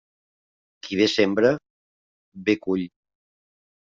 Qui bé sembra, bé cull.